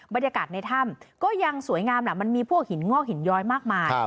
บรรยากาศในถ้ำก็ยังสวยงามล่ะมันมีพวกหินงอกหินย้อยมากมาย